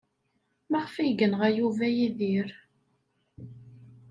Maɣef ay yenɣa Yuba Yidir?